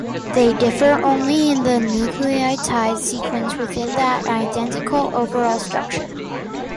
They differ only in the nucleotide sequence within that identical overall structure.